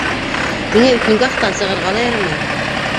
Һиңә бит никахтан сығырға ла ярамай.